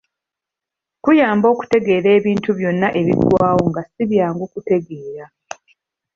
Kuyamba okutegeera ebintu byonna ebigwawo nga ssi byangu kutegeera.